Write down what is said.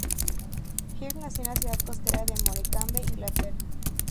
Hird nació en la ciudad costera de Morecambe, Inglaterra.